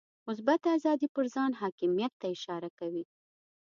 مثبته آزادي پر ځان حاکمیت ته اشاره کوي.